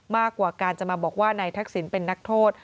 มากกว่าการจะมาบอกว่านายทักษิณเป็นนักโทษ